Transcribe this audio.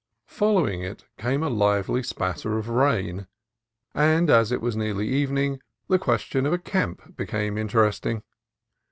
Following 9 o CALIFORNIA COAST TRAILS it came a lively spatter of rain, and as it was nearly evening the question of a camp became interesting.